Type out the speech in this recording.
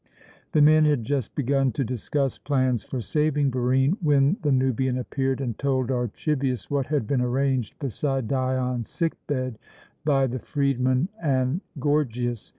The men had just begun to discuss plans for saving Barine, when the Nubian appeared and told Archibius what had been arranged beside Dion's sick bed by the freedman and Gorgias.